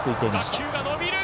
打球が伸びる。